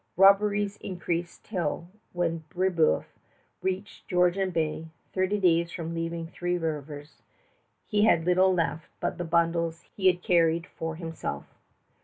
Robberies increased till, when Brébeuf reached Georgian Bay, thirty days from leaving Three Rivers, he had little left but the bundles he had carried for himself.